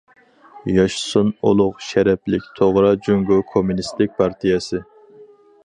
ياشىسۇن ئۇلۇغ، شەرەپلىك، توغرا جۇڭگو كوممۇنىستىك پارتىيەسى!